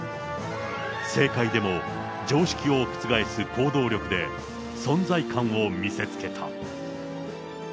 政界でも常識を覆す行動力で、存在感を見せつけた。